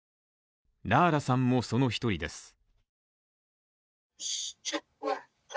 ラーラさんもその一人です。